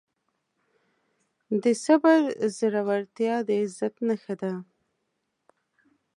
د صبر زړورتیا د عزت نښه ده.